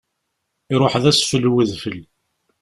Iruḥ d asfel n udfel.